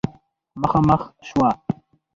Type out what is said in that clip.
مخامخ شوه